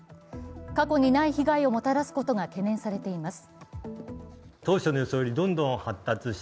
過去にない被害をもたらすことが懸念されています。